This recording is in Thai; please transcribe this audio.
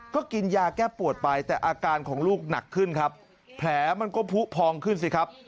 ก็กินยาแก้ปวดไปแต่อาการของลูกหนักขึ้นครับแผลมันก็ผู้พองขึ้นสิครับ